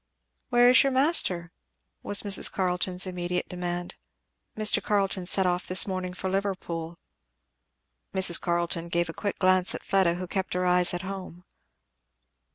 "Where is your master?' was Mrs. Carleton's immediate demand. "Mr. Carleton set off this morning for Liverpool." Mrs. Carleton gave a quick glance at Fleda, who kept her eyes at home.